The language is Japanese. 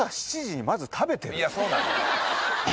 いやそうなのよ。